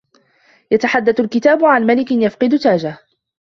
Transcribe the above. يتحدث الكتاب عن ملك يفقد تاجه.